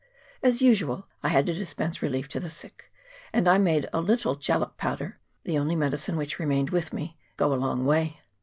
As usual, I had to dispense re lief to the sick ; and I made a little jalap powder, the only medicine which remained to me, go a long way.